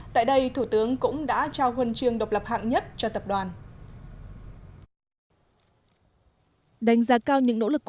tại đây thủ tướng cũng đã trao huân trường độc lập hạng nhất cho tập đoàn